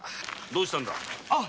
どうしたんだ？